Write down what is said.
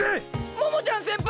桃ちゃん先輩！